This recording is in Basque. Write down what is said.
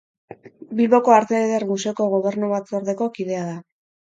Bilboko Arte Eder Museoko Gobernu Batzordeko kidea da.